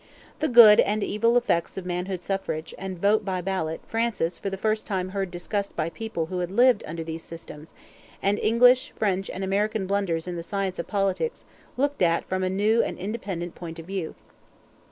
The good and evil effects of manhood suffrage and vote by ballot Francis for the first time heard discussed by people who had lived under these systems, and English, French, and American blunders in the science of politics looked at from a new and independent point of view.